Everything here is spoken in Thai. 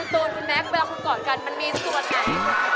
คุณโตนคุณแมมพ์เวลาคุณกอดกันมันมีส่วนไง